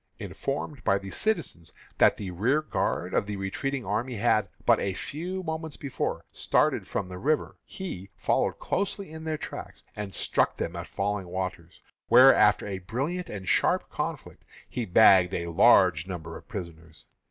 Informed by citizens that the rearguard of the retreating army had but a few moments before started from the river, he followed closely in their tracks, and struck them at Falling Waters, where, after a brilliant and sharp conflict, he bagged a large number of prisoners.